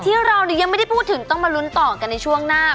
ที่เรายังไม่ได้พูดถึงต้องมาลุ้นต่อกันในช่วงหน้า